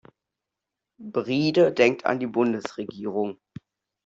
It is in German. Bryde denkt an die Bundesregierung.